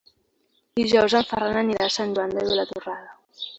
Dijous en Ferran anirà a Sant Joan de Vilatorrada.